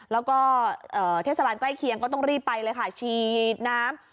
แล้วก็เทศบาลใกล้เคียงก็ต้องรีบไปเลยค่ะฉีดน้ำ